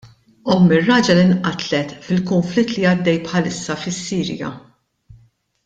Omm ir-raġel inqatlet fil-kunflitt li għaddej bħalissa fis-Sirja.